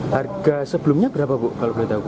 harga sebelumnya berapa bu kalau boleh tahu